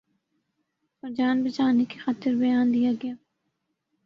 اورجان بچانے کی خاطر بیان دیاگیا۔